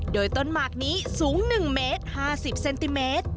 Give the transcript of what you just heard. โดยต้นหมากนี้สูง๑เมตร๕๐เซนติเมตร